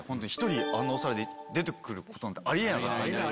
あんなお皿で出てくることなんてあり得なかったんで。